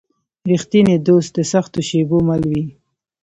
رښتینی دوست د سختو شېبو مل وي.